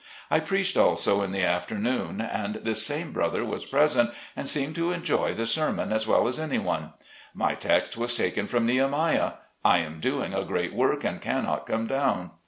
I preached also in the afternoon, and this same brother was present and seemed to enjoy the ser mon as. well as anyone. My text was taken from Nehemiah — "I am doing a great work and cannot come down."